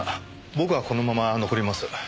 僕はこのまま残ります。